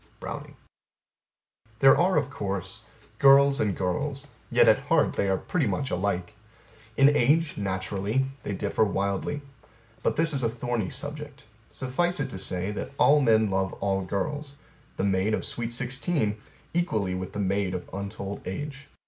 Browning There are of course, girls and girls; yet at heart they are pretty much alike. In age, naturally, they differ wildly. But this is a thorny subject. Suffice it to say that all men love all girls the maid of sweet sixteen equally with the maid of untold age.